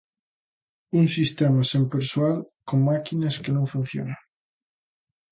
Un sistema sen persoal, con máquinas que non funcionan.